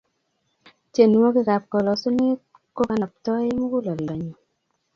tienwokik ap kalasunet kokanaptai mukuleldo nyuu